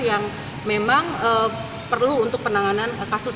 yang memang perlu untuk penanganan kasus